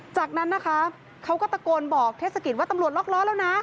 จากนั้นนะคะเขาก็ตะโกนบอกเทศกิจว่าตำรวจล็อกล้อแล้วนะ